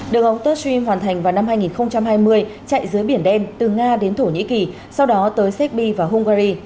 đường ống tustrim hoàn thành vào năm hai nghìn hai mươi chạy dưới biển đen từ nga đến thổ nhĩ kỳ sau đó tới serbia và hungary